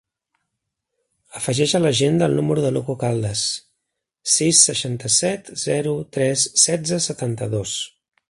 Afegeix a l'agenda el número de l'Hugo Caldas: sis, seixanta-set, zero, tres, setze, setanta-dos.